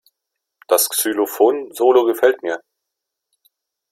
Das Xylophon-Solo gefällt mir.